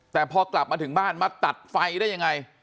แต่พอกลับมาถึงบ้านมาตัดไฟได้ยังไง